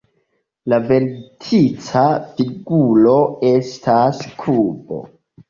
La vertica figuro estas kubo.